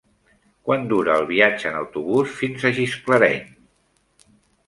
Quant dura el viatge en autobús fins a Gisclareny?